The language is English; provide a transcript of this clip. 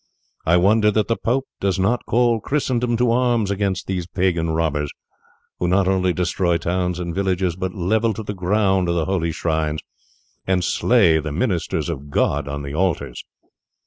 I wonder that the pope does not call Christendom to arms against these pagan robbers, who not only destroy towns and villages, but level to the ground the holy shrines, and slay the ministers of God on the altars."